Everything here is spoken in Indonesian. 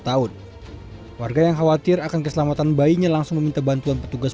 tahun warga yang khawatir akan keselamatan bayinya langsung meminta bantuan petugas